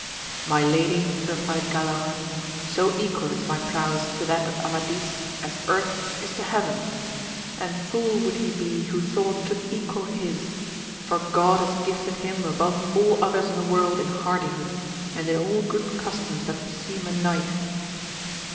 My lady, replied Galaor, so equal is my prowess to that of Amadis as earth is to heaven ; and fool would he be who thought to equal his ! for God has gifted him above all others in the world in hardi hood, and in all good customs that beseem a knight.